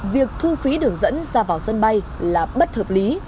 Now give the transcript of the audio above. việc thu phí đường dẫn ra vào sân bay là bất hợp lý